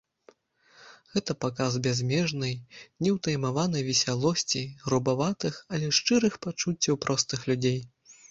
Гэта паказ бязмежнай, неўтаймаванай весялосці, грубаватых, але шчырых пачуццяў простых людзей.